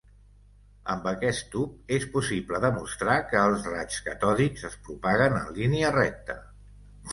Amb aquest tub és possible demostrar que els raigs catòdics es propaguen en línia recta.